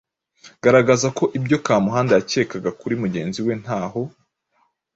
Garagaza ko ibyo Kamuhanda yakekaga kuri mugenzi we ntaho